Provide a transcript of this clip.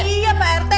iya pak rt